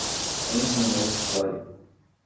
Entre no meu escritório!